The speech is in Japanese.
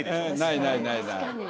ないないないない。